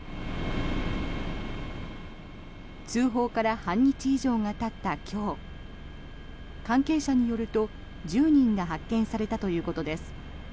通報から半日以上がたった今日関係者によると、１０人が発見されたということです。